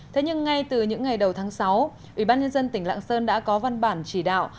thế nhưng ngay từ những ngày đầu tháng sáu ubnd tỉnh lạng sơn đã có văn bản chỉ đạo